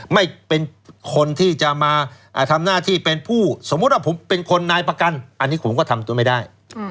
ไม่เป็นคนที่จะมาทำหน้าที่เป็นผู้สมมุติว่าผมเป็นคนนายประกันอันนี้ผมก็ทำตัวไม่ได้